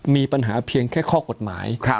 มีปัญหาเพียงแค่ข้อกฎหมาย